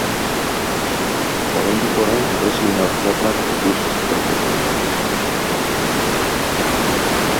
Oraindik-orain harresien aztarnak ikus daitezke.